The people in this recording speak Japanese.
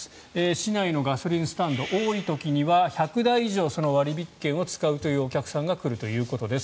市内のガソリンスタンド多い時には１００台以上その割引券を使うお客さんが来るということです。